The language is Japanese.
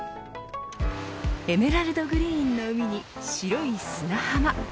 エメラルドグリーンの海に白い砂浜。